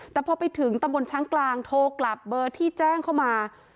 แต่พอไปถึงตำบลช้างกลางโทรกลับเบอร์ที่แจ้งเข้ามา